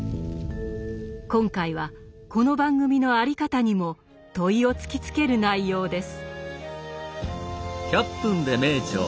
今回はこの番組の在り方にも問いを突きつける内容です。